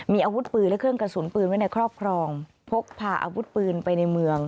มีอาวุธปืนและเครื่องกระสุนปืนไว้ในครอบครองพกพาอาวุธปืนไปในเมือง